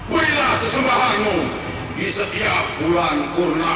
berilah sesembahanmu di setiap bulan kurnaba